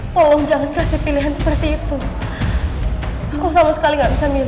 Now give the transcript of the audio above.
tolong jangan kasih pilihan seperti itu aku sama sekali nggak bisa milih